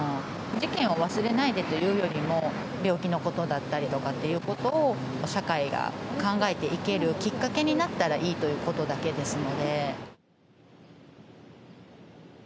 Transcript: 事件を忘れないでというよりも、病気のことだったりとかっていうことを、社会が考えていけるきっかけになったらいいということだけですので。